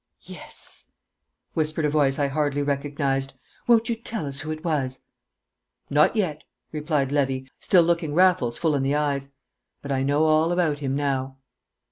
"Yes!" whispered a voice I hardly recognised. "Won't you tell us who it was?" "Not yet," replied Levy, still looking Raffles full in the eyes. "But I know all about him now!"